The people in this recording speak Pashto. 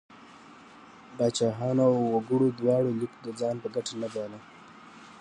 پاچاهانو او وګړو دواړو لیک د ځان په ګټه نه باله.